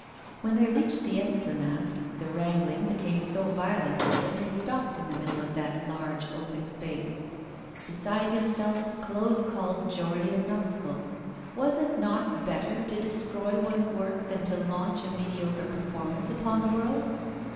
When they reached the Esplanade, the wrangling became so violent that they stopped in the middle of that large open space. Beside himself, Claude called Jory a numskull; was it not better to destroy one's work than to launch a mediocre performance upon the world?